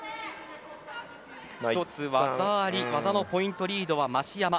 １つ技ありでポイントリードは増山です。